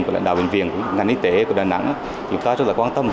của lãnh đạo bệnh viện ngành y tế của đà nẵng thì chúng ta rất là quan tâm